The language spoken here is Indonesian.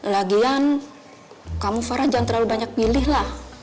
lagian kamu farah jangan terlalu banyak pilih lah